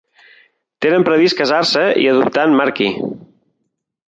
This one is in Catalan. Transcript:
Tenen previst casar-se i adoptar en Marky.